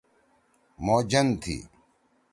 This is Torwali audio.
مھو جَن تھی۔